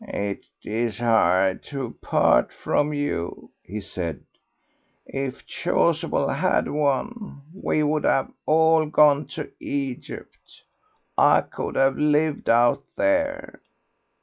"It is hard to part from you," he said. "If Chasuble had won we would have all gone to Egypt. I could have lived out there."